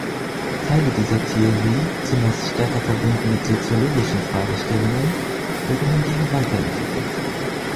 Teile dieser Theorie, zumeist stärker verbunden mit soziologischen Fragestellungen, wurden hingegen weiterentwickelt.